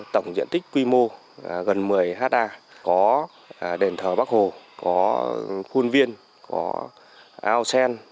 tổng diện tích quy mô gần một mươi ha có đền thờ bắc hồ có khuôn viên có ao sen